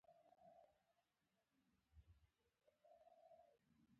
باد د شګهطوفان برخه ده